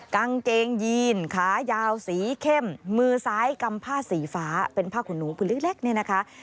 กางเกงยีนขายาวสีเข้มมือซ้ายกำผ้าสีฟ้าเป็นผ้าขนหนูผืนเล็กเนี่ยนะคะ